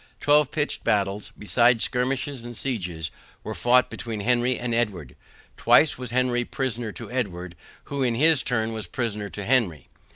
Twelve pitched battles, besides skirmishes and sieges, were fought between Henry and Edward. Twice was Henry prisoner to Edward, who in his turn was prisoner to Henry.